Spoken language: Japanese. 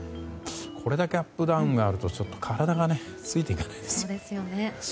これだけアップダウンがあると体がついていけないですよね。